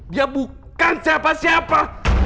dia bukan siapa siapa